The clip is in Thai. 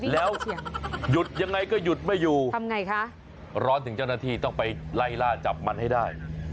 แล้วหยุดยังไงก็หยุดไม่อยู่ทำไงคะร้อนถึงเจ้าหน้าที่ต้องไปไล่ล่าจับมันให้ได้